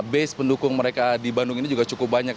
base pendukung mereka di bandung ini juga cukup banyak